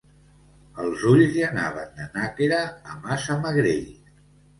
Els ulls li anaven de Nàquera a Massamagrell.